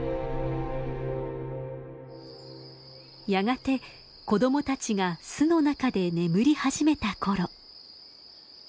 やがて子供たちが巣の中で眠り始めたころ。